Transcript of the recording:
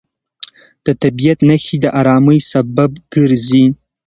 د طبیعت نښې د ارامۍ سبب ګرځي.